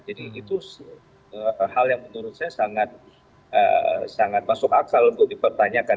jadi itu hal yang menurut saya sangat masuk akal untuk dipertanyakan